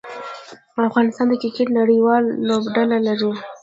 افغانستان د کرکټ نړۍواله لوبډله لري.